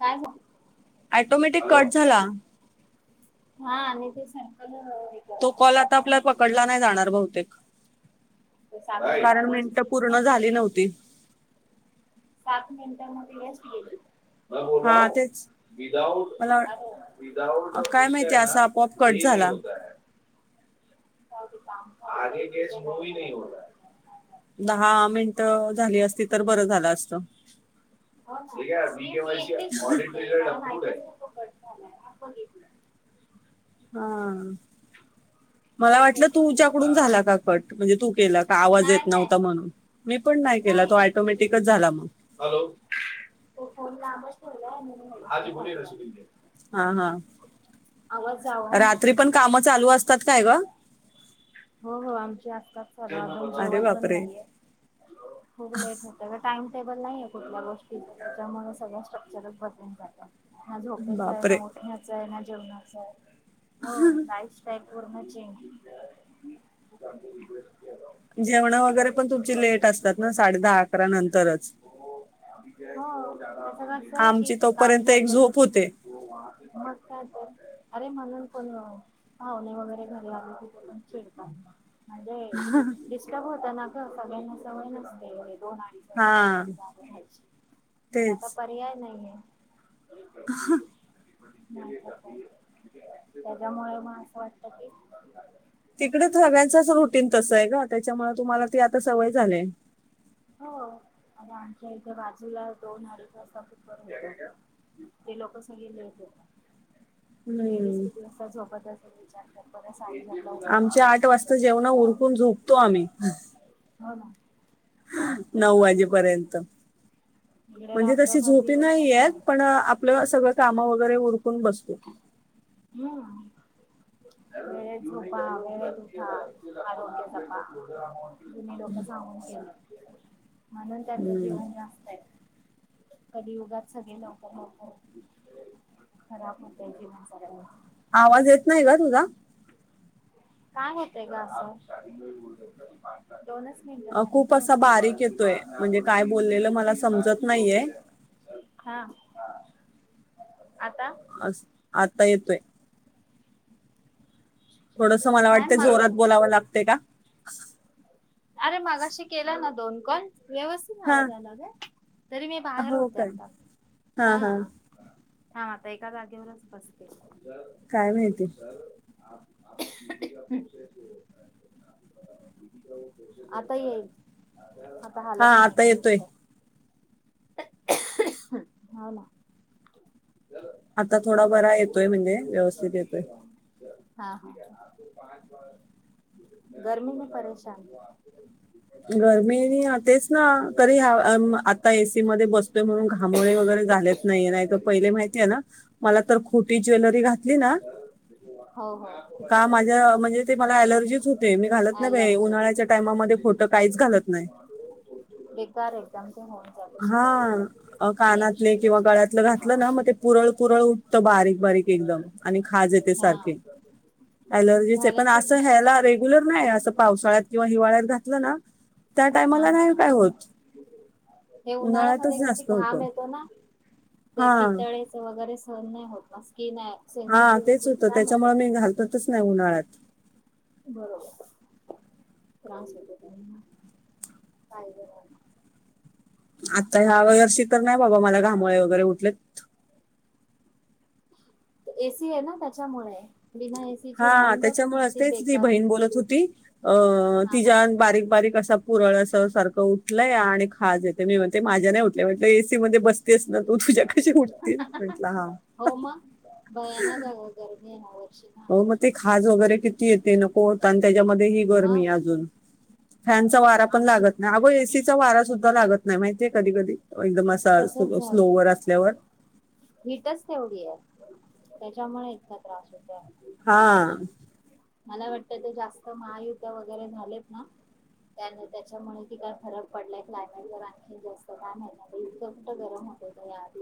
काय automatic cut झाला. हां आणि ते [unintelligible] तो करत कॉल होता आता काय आपला माहिती. पकडला नाही जाणार बहुतेक. तर सात कारण वेस्ट मिनिटं केली मग पूर्ण झाली नव्हती. सात मिनिटं मग वेस्ट गेली. मैं बोल रहा हा हू तेच मला विदाउट विदाउट काय घुस माहिती गये ना असा आपोआप कट ये नही झाला होता है. आगे के [unintelligible] नाही हो रहा. दहा मिनिटं झाली असती तर बरं झालं असत. ते का B K Y audit up to date है. कट झालाय बघितलं हां मला ते वाटलं तेच तर. तुझ्याकडून हा झाला का कट. म्हणजे तू केला का आवाज नाही येत नाही नव्हता म्हणून, मी पण नाही केला तो ऑटोमॅटिक झाला मग. हॅलो तो फोन लांबच हाजी बोलिये मैं [unintelligible] हां हां आवाज [unintelligible] चालू असतात काय गं. हो हो आमच्या असतात. अरे जेवण पण बापरे नाहीये, खूप लेट होत ग टाइम टाईम टेबल नाही आहे कुठल्या गोष्टीच त्याच्यामुळे सगळं स्ट्रक्चरच बदलून जात. ना झोपायच आहे बापरे ना उठण्याचा आहे ना जवनाचय. हो लाईफ स्टाईल. पूर्ण चेंज जेवणं वगैरे पण तुमची लेट असतात ना साडे दहा अकरा नंतरच, हो त्याच कसं आहे की आमची काम तोपर्यंत एक धरलेत झोप होते. मग काय तर अरे म्हणून कोण पाहुणे वगैरे घरी आले मग चर्चा [unintelligible] म्हणजे डिस्टर्ब होत ना सगळ्यांना सवय नसते दोन अडीचच्या हा पर्यंत जा घयची पण आता पर्याय नाहीये ह नाही त्याच्यामुळे मग असं वाटत कि तिकडे सगळ्यांचच रुटीन तसं आहे ग त्याच्यामुळे तुम्हाला ती आता सवय झालीय [unintelligible] ती लेडीज हम्म कितीता झोपत अस विचारत ब आमच्या आठ वाजता जेवण उरकून झोपतो आम्ही हो ना नऊ वाजेपर्यंत इकडे म्हणजे तशी रात्रभर झोपी दिवसभर नाहीय चालू पण आपलं सगळं काम वगैरे उर आपण बसतो वे झूपा वेळे उठा आरोग्य जपा तु्ही लोक सांगून केलं म्हणून त्यांचं हम्म जीवन जास्त हाय कधी युगात सगळे लोक नको खराब [inaudible] आवाज येत नाही का तुझा काय होतय ग असं ोनस अ, खूप तन असा बारीक येतोय म्हणजे काय बोललेलं मला तीन लाख समजत नाहीये ह आता अ आता येतोय थोडस मला काय वाटतं मग जोरात बोलावं लागत का [inaudible] अरे मगाशी केला न्ह दोन कॉल व्यवस्थित हा आवाज आला ग तरी मी बाहेर हो होते काय आता हा हां आता एका जागेवरच बसते र काय माहिती सर [unintelligible] आता येई आता हा हालत नाही आता इकडून येतोय कुठे ह ना आता थोडा बरा येतोय म्हणजे व्यवस्थित येतोय हा ह गर्मी न परेशान गरमी आणि तेच ना तरी आता एसी मध्ये बसतोय म्हणून घामोळे वगैरे झालेत नाही नाही तर पहिले माहितीये ना मला तर खोटी ज्वेलरी घात ना हो हो का माझ्या म्हणजे ते मला एलर्जी होते. मी घालत नाही बाई अलर्जी उन्हाळ्याच्या टायमामध्ये खोटं. काहीच घालत नाही, बेकार एकदम ते होऊन जात अशी बॉडीवर हा रिएक्शन कानातले किंवा त्याची गळ्यातलं घातलं ना मग ते पुरळ-पुरळ, उठत बारीक-बारीक एकदम. आणि खाज येते हा सारखी एलर्जीच आहे, पण घालायचीच अस नाही ह्याला रेग्युलर. इतर नाही असं पावसाळ्यात किंवा हिवाळ्यात घातलं ना. त्या हा, टायमाला हा, नाही काय होत हे उन्हाळ्यातच उन्हाळ्यामध्ये कशी जास्त होतो घाम येतो ना ते हा पितळेच वगैरे सहन नाही होत जास्त. हा तेच होतं त्याच्यामुळे मी घालतच नाही. नाही उन्हाळ्यात. बरोबर त्रास होतो त्यानी काय. आता ह्या वर्षी तर, नाही बाबा मला घामोळ्या वगैरे उठलेत. ए, सी आहे ना त्याच्यामुळे. बिना एसीची हा राहून बघ त्याच्यामुळे किती असतेच ती बेकार बहीण बोलत होती. अ हा हा तिच्यात बारीक-बारीक असा. पुरळस सारखं उठलंय आणि खाज येते, मी म्हणते माझ्या नाही उठलेय, म्हटल एसी मध्ये बस. तेस ना तू तुझ्या कशी उठतील म्हटलं हा. हो मग भयानक अगं गरमी आहे ह्या वर्षी ना हो मग ते अक्षरशः नको खाज नको वगैरे किती होतंय येते नको होत, आणि त्याच्यामध्ये ही मग गरमी अजून फॅनचा वारा पण अक्ष लागत नाही, अगं एसीचा वारा सुद्धा लागत. नाई माहित आहे कधी कधी. एकदम असा तसच झालंय स्लोवर असल्यावर. हीटच तेवढी आहे त्याच्यामुळे इतका त्रास होतो. हा. मला वाटतं ते जास्त महायुद्ध वगैरे झालेत ना, त्या त्याच्यामुळे कि काय फरक पडलाय क्लायमेट वर आणखी जास्त काय माहिती. इतकं कुठं गरम होतय भयानक.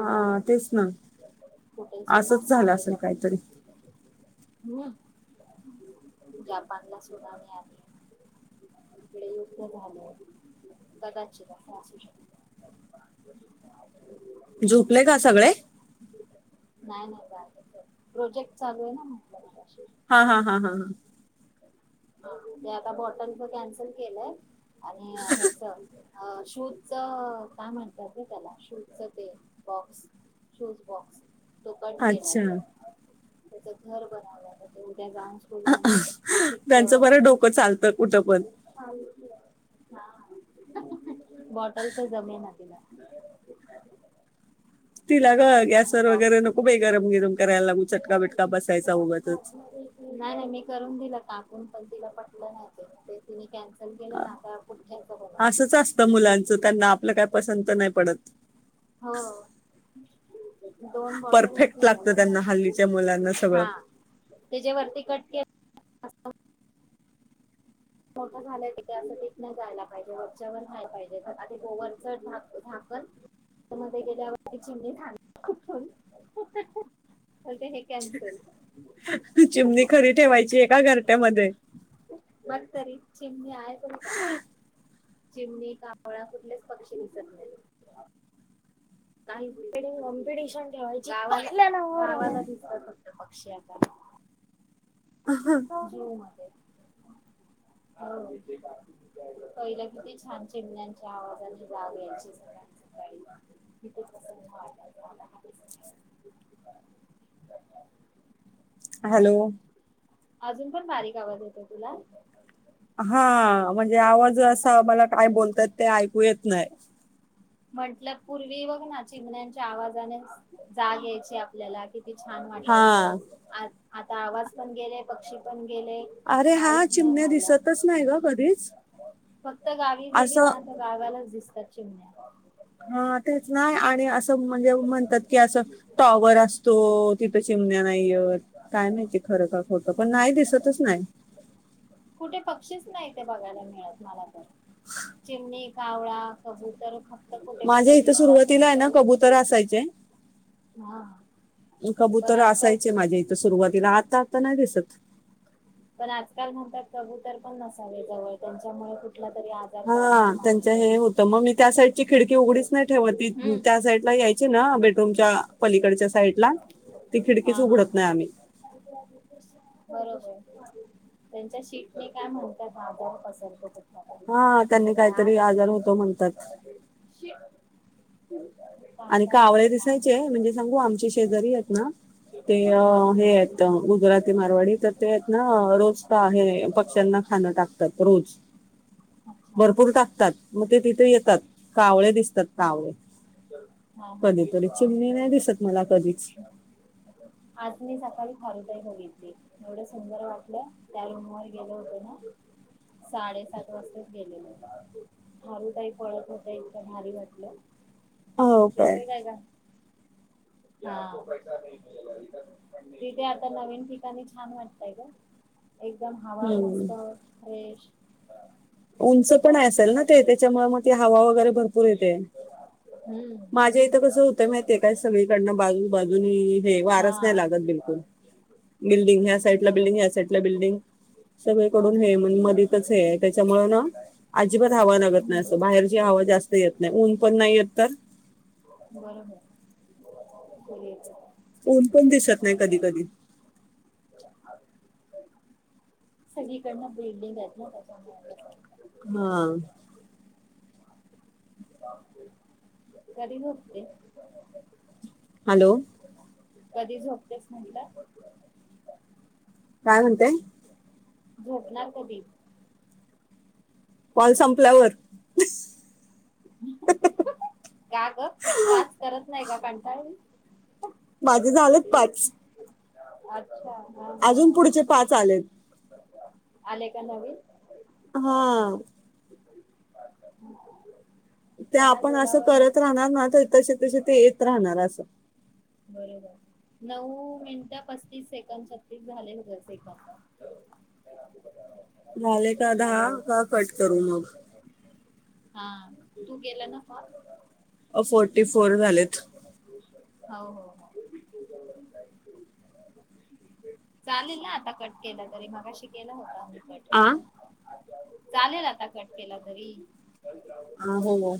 हा तेच ना कुठे असच सुनामी झालं असेल काहीतरी. ज्यापानला सुनामी आली तीकडे युद्ध झाले, कदाचित अस. असू शकत. झोपले का सगळे. नाही नाही प्रोजेक्ट चालू आहे ना म्हणताना. हा, हा, हा, हा, हा. मी आता बॉटलच कॅन्सल केलंय. आणि ह्याच. अ शूजच काय म्हणतात त्याला शूजच ते बॉक्स शूज बॉक्स. तो पण केलाय. अच्छा त्याच घर बनवलय मग ते. ते जाऊन स्कूलमध्ये. त्यांचं बरं चिटकवायचं डोकं चालतं कुठं पण. [inaudible] हां बॉटलच जमीन [unintelligible] तिला ग त्याच्या [unintelligible] गॅसवर बॉक्स वगैरे नको बे गरम गिरम करायला लागू चटका बिटका बसायचा उगाच -नाही नाही मी करत नाही हां पण तिला पटल पाहिजे ना [unintelligible] आता पुठ्याच बनवते असंच असतं मुलांचं त्यांना आपलं काय पसंत नाही पडत हो दोन बॉटल हे परफेक्ट लागतं त्यांना हल्लीच्या मुलांना केल्या हा सगळं त्याच्या वरती कट के [unintelligible] मोठं झालंय तिथे असं तिथन जायला पाहिजे वरच्यावर नाय पाहिजे आधी वरच झाकण - तर मध्ये गेल्या [unintelligible] चिमणी तर ते हे कॅन्सल चिमणी खरी ठेवायची एका घरट्यामध्ये मग तरी चिमणी आहेतच का चिमणी कांवळा कुठलेच पक्षी दिसत नाहीत काहीतरी कॉम्पिटिशन ठेवायची [unintelligible] दगावाला दिसतात फक्त पक्षी आता जीवमधे हो पहिल किती छान चिमण्यांच्या आवाजाने जाग यायची सगळ्यांना हॅलो अजून पण बारीक आवाज येतो तुला हा म्हणजे आवाज असा मला काय बोलतात ते ऐकू [unintelligible] नाही म्हंटलं पूर्वी बघ ना चिमण्यांच्या आवाजाने जाग यायची आपल्याला किती छान वाटायचं हा आता आवाज पण गेलेय पक्षी पण गेले अरे हा काहीच नाही -चिमण्या राहिला दिसतच नाही ग कधीच फक्त गावी गेली असं ना तर गावालाच दिसतात त्याची [unintelligible] हा तेच नाही आणि असं म्हणजे म्हणतात की असं टॉवर असतो तिथं चिमण्या नाहीयेत काय माहिती खरं की खोटं पण नाही दिसतच नाय कुठे पक्षीच नाही ते बघायला मिळत आम्हाला चिमणी कावळा कबूतर [unintelligible] माझ्या कुठे इथं दिसतात सुरुवातीला आहे ना कबुतर असायचे हा पण कबुतर आजकाल असायचे माझ्या इथं सुरुवातीला आत्ता त नाही दिसत पण आजकाल म्हणतात कबूतर पण नसावे जवळ त्यांच्यामुळे [unintelligible] हा आजार निर्माण त्यांच्या होतो. हे होतं मग मी त्या साईडची खिडकी उघडीच नाही ठेवत ती त्या साईडला यायची ना बेडरूमच्या पलीकडच्या साईडला ती हा खिडकीच हा उघडत नाही हा आम्ही बरोबर त्यांच्या शि [unintelligible] काय म्हणतात आजार पसरतो तो हा त्यांनी काहीतरी आजार होतो म्हणतात. [unintelligible] आणि काय होतं कावळे दिसायचे. काय म्हणजे सांगू, आमचे शेजारी आहेत ना, ते हा हा हे आहेत गुजराती मारवाडी तर ते आहेत ना, हा रोज तर आहे पक्ष्यांना खाणं टाकतात. रोज अच्छा भरपूर टाकतात. मग ते तिथे येतात कावळे दिस कावळे हां हां कधीतरी चिमणी नाही दिसत मला कधीच आज मी सकाळी खारुताई बघितली एवढ सुंदर वाटलं, त्या रूम वर गेलो होतो ना, साडेसात वाजता गेलेलो होत खारुताई पळत होते एकदम भारी वाटलं. हॅलो येतोय काय गं. हा तिथे आता नवीन ठिकाणी छान वाटतय गं. एकदम हवा हम्म मस्त, फ्रेश. उंच तिथे पण असतील असेल ना ते पक्षी. त्याच्यामुळे मग ती हवा वगैरे भरपूर येते हम्म. माझ्या इथं कसं होतं माहितेय काय सगळीकडनं बाजू बाजूने हे वारच हा. नाय लागत बिलकुल. बिल्डिंग ह्या साईडला बिल्डिंग, बरोबर ह्या साईडला बिल्डिंग सगळीकडून हे आजूबाजूला मधेच हे आहे. त्याच्यामुळे अजिबात हवा लागत नाही, हम्म अस बाहेरची हवा जास्त येत नाही, ऊन पण नाय येत तर. बरोबर. [unintelligible] ऊन पण दिसत नाही कधी कधी. सगळीकडनं बिल्डिंग आहेत ना त्याच्यामुळे हां कधी झोपते? हॅलो. कधी झोपतेस म्हणलं. काय म्हणते. झोपणार कधी? कॉल संपल्यावर. का ग पाच करत नाही का? कंटाळाली. माझे झालेत पाच. [unintelligible] हा हा अजून हा पुढचे पाच आलेत. आले का नवीन? हां ते काय आपण असं बोलावं हेच करत राहणार ना तर तशे तसे ते येत राहणार. असं, बरोबर, नऊ मिनिट पस्तीस सेकंद सबमिट झाले, हो सेकंद. झाले का दहा हॅलो का कट करू मग हा तू गेला ना काॉल असं फोर्टी फोर झालेत. हो हो चालेल ना आता कट केला तरी मगशि केला होता. कट आ चालेल आता कट केला तरी. अ हो.